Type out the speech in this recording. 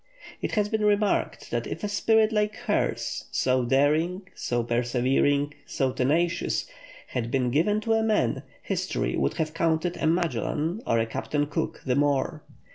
It has been remarked that if a spirit like hers, so daring, so persevering, so tenacious, had been given to a man, history would have counted a Magellan or a Captain Cook the more.